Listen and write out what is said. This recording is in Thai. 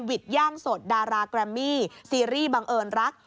ดย่างสดดาราแกรมมี่ซีรีส์บังเอิญรัก